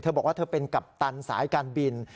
บอกว่าเธอเป็นกัปตันสายการบิน